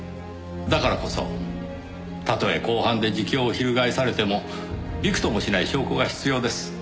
だからこそたとえ公判で自供を翻されてもびくともしない証拠が必要です。